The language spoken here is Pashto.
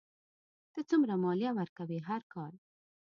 ته څومره مالیه ورکوې هر کال؟